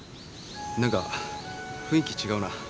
何か雰囲気違うな。